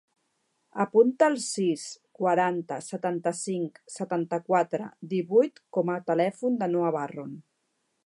Apunta el sis, quaranta, setanta-cinc, setanta-quatre, divuit com a telèfon del Noah Barron.